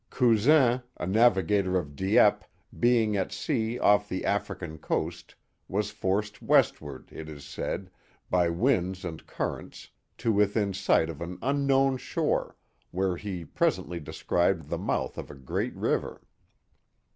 Cousin, a navigator of Dieppe, being at sea off the African coast, was forced westward, it is said, by winds and currents, to within sight of an unknown shore, where he pres ently descried the mouth of a great river.